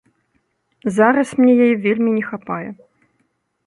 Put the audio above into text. Зараз мне яе вельмі не хапае.